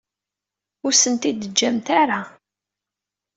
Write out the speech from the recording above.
Ur as-tent-id-teǧǧamt ara.